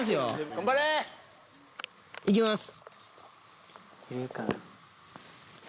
頑張れ！いきます！